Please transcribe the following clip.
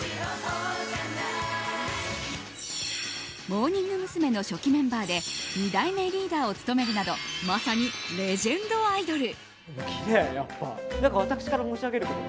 モーニング娘。の初期メンバーで２代目リーダーを務めるなどまさにレジェンドアイドル。